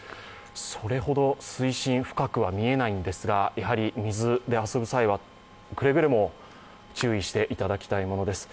それほど水深は深くは見えないんですがやはり水で遊ぶ際はくれぐれも注意していただきたいものです。